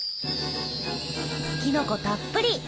きのこたっぷり！